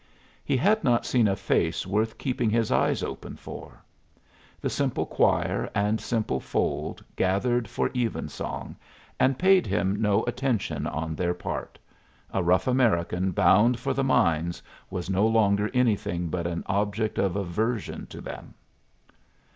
He had not seen a face worth keeping his eyes open for. The simple choir and simple fold gathered for even song, and paid him no attention on their part a rough American bound for the mines was no longer anything but an object of aversion to them.